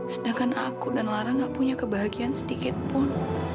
sedangkan aku dan lara gak punya kebahagiaan sedikit pun